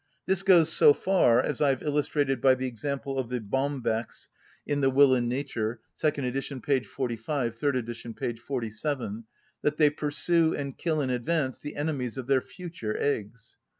This goes so far, as I have illustrated by the example of the Bombex in "The Will in Nature" (second edit. p. 45, third edit. p. 47), that they pursue and kill in advance the enemies of their future eggs.